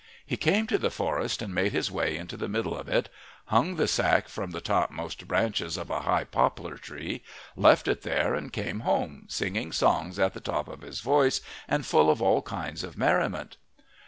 He came to the forest and made his way into the middle of it, hung the sack from the topmost branches of a high poplar tree, left it there and came home singing songs at the top of his voice and full of all kinds of merriment.